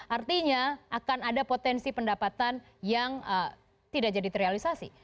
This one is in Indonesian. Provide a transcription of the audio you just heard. artinya akan ada potensi pendapatan yang tidak jadi terrealisasi